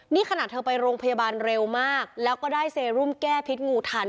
นี่ขนาดเธอไปโรงพยาบาลเร็วมากแล้วก็ได้เซรุมแก้พิษงูทัน